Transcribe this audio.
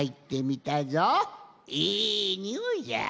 いいにおいじゃ。